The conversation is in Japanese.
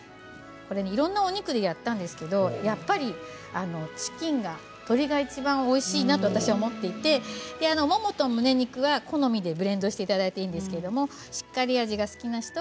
これは、いろいろなお肉でやったんですけれどやっぱりチキンが鶏肉が、いちばんおいしいなと私は思っていてももとむね肉は好みでブレンドしていただいていいんですけれどもしっかり味が好きな方